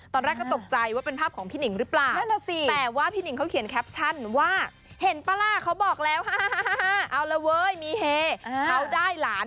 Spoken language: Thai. ตอนแรกก็ตกใจว่าเป็นภาพของพี่นิ่งหรือเปล่าแต่ว่าพี่นิ่งเขาเขียนแคปชั่นว่าเห็นปลาร่าเขาบอกแล้วฮ่า